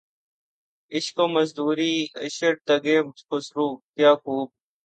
عشق و مزدوریِ عشر تگہِ خسرو‘ کیا خوب!